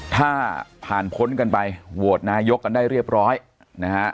ถ้าผ่านพ้นกันไปโหวตนายกกันได้เรียบร้อยนะฮะ